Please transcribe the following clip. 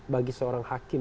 bagi seorang hakim